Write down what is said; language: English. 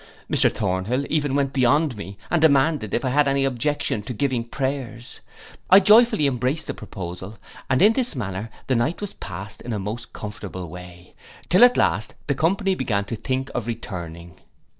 Mr Thornhill even went beyond me, and demanded if I had any objection to giving prayers. I joyfully embraced the proposal, and in this manner the night was passed in a most comfortable way, till at last the company began to think of returning.